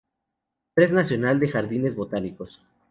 Red Nacional de Jardines Botánicos.